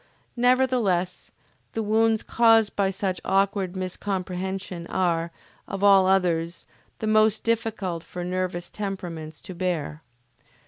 Nevertheless the wounds caused by such awkward miscomprehension are, of all others, the most difficult for nervous temperaments to bear.